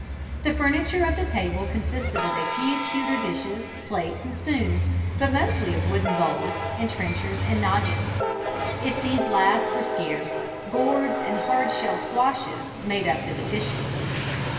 The furniture of the table consisted of a few pewter dishes, plates and spoons, but mostly of wooden bowls and trenchers and noggins. If these last were scarce, gourds and hard shell squashes made up the deficiency.